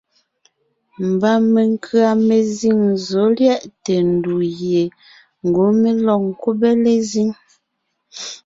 Mba menkʉ̀a mezíŋ zɔ̌ lyɛʼte ndù gie ngwɔ́ mé lɔg ńkúbe lezíŋ.